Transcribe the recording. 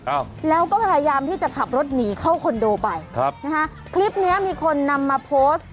อ้าวแล้วก็พยายามที่จะขับรถหนีเข้าคอนโดไปครับนะฮะคลิปเนี้ยมีคนนำมาโพสต์